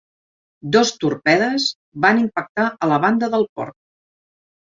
Dos torpedes van impactar a la banda del port.